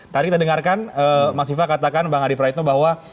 tadi kita dengarkan mas viva katakan bang adi praitno bahwa